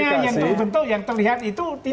tapi bahwa warnanya yang terlihat itu titik